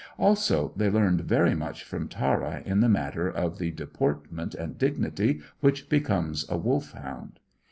Also, they learned very much from Tara in the matter of the deportment and dignity which becomes a Wolfhound.